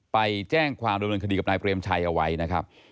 ไปแจ้งความดำเนินคดีกับนายเปรมชัยเอาไว้นะครับ